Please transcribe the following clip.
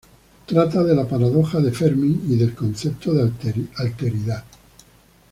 Trata de la paradoja de Fermi y del concepto de alteridad.